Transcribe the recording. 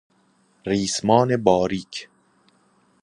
ریسمان باریک